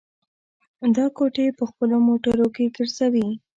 دا کوټې په خپلو موټرو کې ګرځوي.